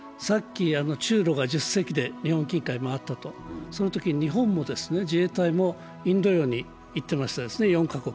中ロが１０隻で日本近海を回ったと、そのときに日本の自衛隊もインド洋に行ってましたね、４カ国。